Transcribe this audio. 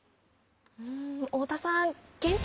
太田さん